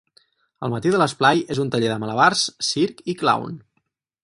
El matí de l'esplai és un taller de malabars, circ i clown.